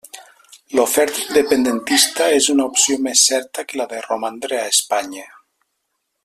L'oferta independentista és una opció més certa que la de romandre a Espanya.